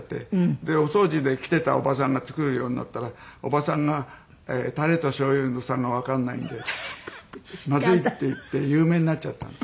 でお掃除で来てたおばさんが作るようになったらおばさんがタレとしょうゆの差がわかんないんでまずいっていって有名になっちゃったんです。